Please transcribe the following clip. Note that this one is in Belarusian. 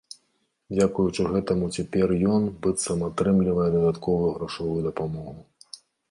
Дзякуючы гэтаму цяпер ён, быццам, атрымлівае дадатковую грашовую дапамогу.